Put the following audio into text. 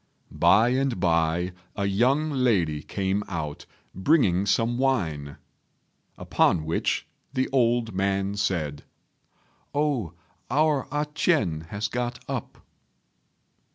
By and by a young lady came out, bringing some wine; upon which the old man said, "Oh, our A ch'ien has got up."